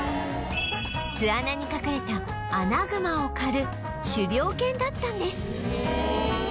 巣穴に隠れたアナグマを狩る狩猟犬だったんです